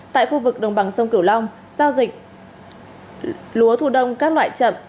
tại khu vực đồng bằng sông kiểu long giao dịch lúa thù đông các loại chậm